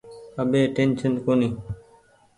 اٻي ٽيشن ڪونيٚ۔